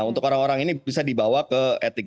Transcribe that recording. untuk orang orang ini bisa dibawa ke etik